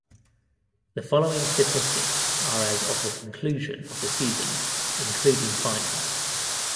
The following statistics are as of the conclusion of the season (including finals).